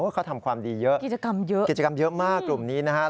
เขาทำความดีเยอะกิจกรรมเยอะกิจกรรมเยอะมากกลุ่มนี้นะครับ